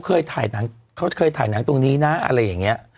เขาเคยถ่ายหนังตรงนี้น่ะอะไรอย่างเงี้ย